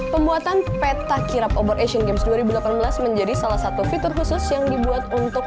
pembuatan peta kirap obor asian games dua ribu delapan belas menjadi salah satu fitur khusus yang dibuat untuk